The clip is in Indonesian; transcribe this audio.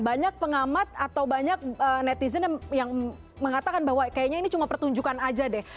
banyak pengamat atau banyak netizen yang mengatakan bahwa kayaknya ini cuma pertunjukan aja deh